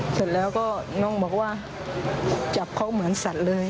เราต้องก็งบว่าจับเขาเหมือนสัตว์เลย